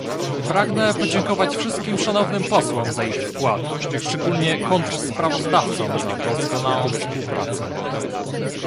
Pragnę podziękować wszystkim szanownym posłom za ich wkład, szczególnie kontrsprawozdawcom za doskonałą współpracę